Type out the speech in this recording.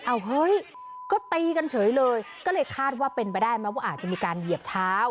เอาเฮ้ยก็ตีกันเฉยเลยก็เลยคาดว่าเป็นไปได้ไหมว่าอาจจะมีการเหยียบเท้า